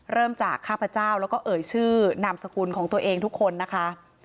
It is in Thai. เริ่มจากข้าพเจ้าแล้วก็เอ่ยชื่อนามสกุลของตัวเองทุกคนนะคะ